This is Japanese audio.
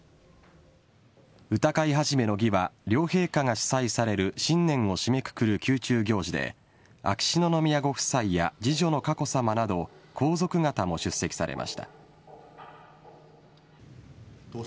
歌会始の儀は両陛下が主催される新年を締めくくる宮中行事で秋篠宮ご夫妻や次女の佳子さまなど皇族方も出席されました。